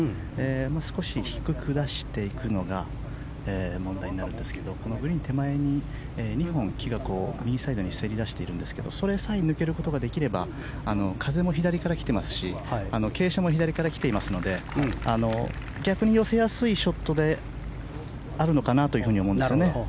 少し低く出していくのが問題になるんですがこのグリーン手前に２本木が右サイドにせり出しているんですがそれさえ抜けることができれば風も左から来てますし傾斜も左から来ていますので逆に寄せやすいショットであるのかなと思うんですよね。